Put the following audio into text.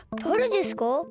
だれですか？